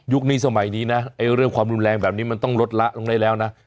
สมัยนี้นะเรื่องความรุนแรงแบบนี้มันต้องลดละลงได้แล้วนะ